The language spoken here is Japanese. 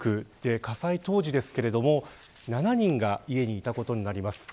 火災当時７人が家にいたことになります。